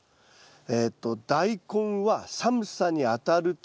えっとダイコンは寒さにあたると？